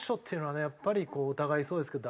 やっぱりお互いそうですけど大事な。